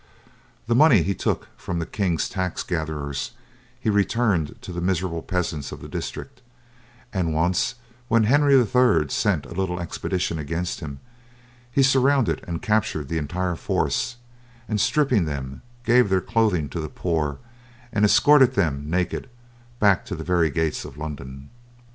The money he took from the King's tax gatherers, he returned to the miserable peasants of the district, and once when Henry III sent a little expedition against him, he surrounded and captured the entire force, and, stripping them, gave their clothing to the poor, and escorted them, naked, back to the very gates of London.